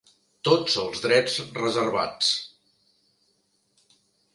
Tots els drets reservats.